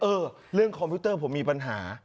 เออเรื่องคอมพิวเตอร์ผมมีปัญหา